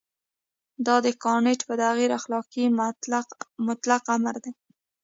دا د کانټ په تعبیر اخلاقي مطلق امر دی.